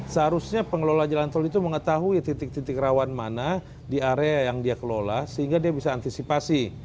seharusnya pengelola jalan tol itu mengetahui titik titik rawan mana di area yang dia kelola sehingga dia bisa antisipasi